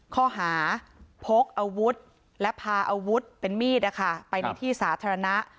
ก็หาพกอาร์วุธและพาร์ฟอาวุธเป็นมีดนะคะไปในที่สาธารณะ